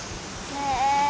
へえ。